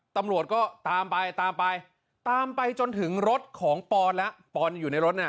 ตำรวจก็ตามไปตามไปตามไปจนถึงรถของปอนแล้วปอนอยู่ในรถน่ะ